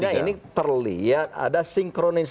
ini terlihat ada sinkronisasi